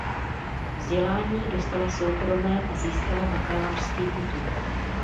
Vzdělání dostala soukromé a získala bakalářský titul.